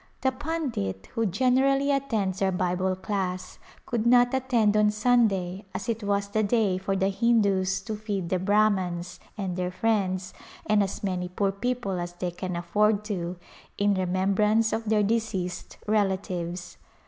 The pundit who generally attends our Bible class could not attend on Sunday as it was the day for the Hindus to feed the Brahmans and their friends and as many poor people as they can afford to, in remem brance of their deceased relatives.